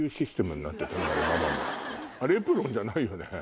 あれエプロンじゃないよね？